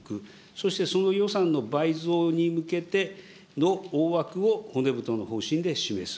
そしてその予算の倍増に向けての大枠を骨太の方針で示す。